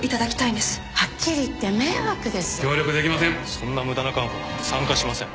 そんな無駄なカンファ参加しません